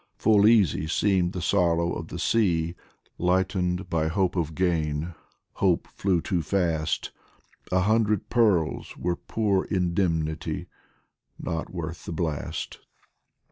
Full easy seemed the sorrow of the sea Lightened by hope of gain hope flew too fast ! A hundred pearls were poor indemnity, Not worth the blast.